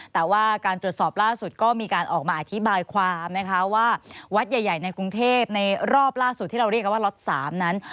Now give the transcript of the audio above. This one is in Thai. แต่ว่าการตรวจสอบล่าสุดก็มีการออกมาอธิบายความนะคะว่าวัดใหญ่ในกรุงเทพในรอบล่าสุดที่เราเรียกกันว่าล็อต๓นั้น